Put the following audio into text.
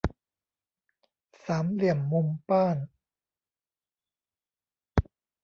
สามเหลี่ยมมุมป้าน